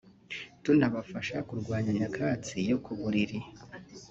tunabafasha kurwanya nyakatsi yo ku buriri